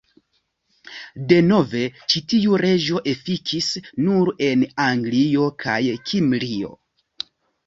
Denove, ĉi tiu leĝo efikis nur en Anglio kaj Kimrio.